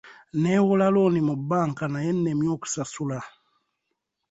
Neewola looni mu banka naye ennemye okusasula.